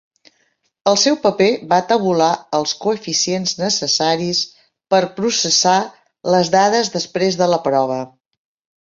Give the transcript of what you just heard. El seu paper va tabular els coeficients necessaris per processar les dades després de la prova.